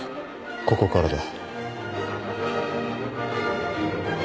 ここからだ。